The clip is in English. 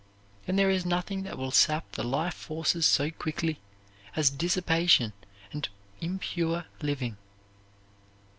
And there is nothing that will sap the life forces so quickly as dissipation and impure living.